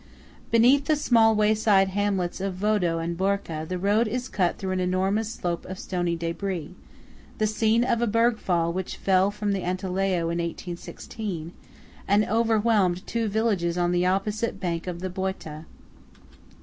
Between the small wayside hamlets of Vodo and Borca, the road is cut through an enormous slope of stony débris, the scene of a bergfall which fell from the Antelao in 1816, and overwhelmed two villages on the opposite bank of the Boita.